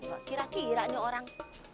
oh kira kira nih orang